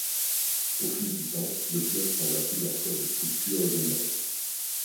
Au fil du temps, le club changea plusieurs fois de structure et de nom.